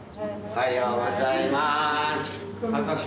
おはようございます。